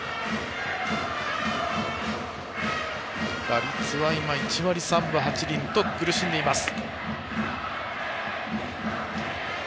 打率は今１割３分８厘と苦しんでいます。